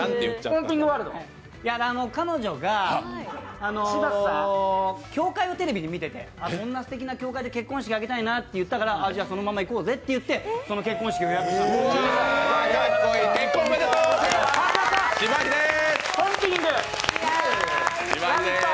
彼女が教会をテレビで見ててこんなすてきな教会で結婚式したいなって言ってたからじゃ、そのまま行こうぜって言ってその結婚式場予約したんです。